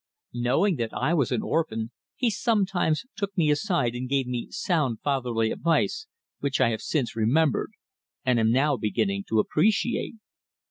Knowing that I was an orphan he sometimes took me aside and gave me sound fatherly advice which I have since remembered, and am now beginning to appreciate.